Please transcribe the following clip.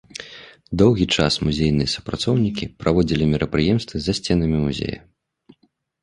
Доўгі час музейныя супрацоўнікі праводзілі мерапрыемствы за сценамі музея.